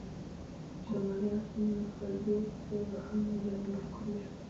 شمالي اړخ ته مې وکتل، دوې خړې غرنۍ لړۍ مې تر سترګو شوې.